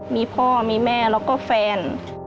มีพ่อมีแม่แล้วก็แฟน